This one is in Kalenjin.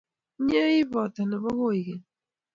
Inye I poto nebo koigeny